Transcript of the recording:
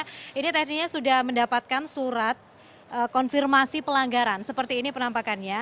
nah ini tadinya sudah mendapatkan surat konfirmasi pelanggaran seperti ini penampakannya